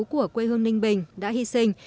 của quê hương ninh bình đã hy sinh